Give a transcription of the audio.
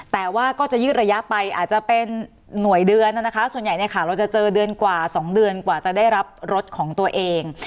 แต่ว่าก็จะยืดระยะไปอาจจะเป็นหน่วยเดือนนะคะส่วนใหญ่เนี่ยค่ะเราจะเจอเดือนกว่า๒เดือนกว่าจะได้รับรถของตัวเอง